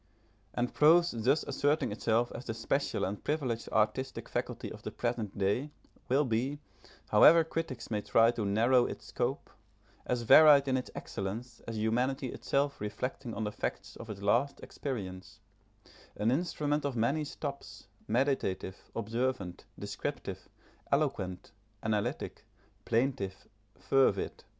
And prose thus asserting itself as the special and privileged artistic faculty of the present day, will be, however critics may try to narrow its scope, as varied in its excellence as humanity itself reflecting on the facts of its latest experience an instrument of many stops, meditative, observant, descriptive, eloquent, analytic, plaintive, fervid.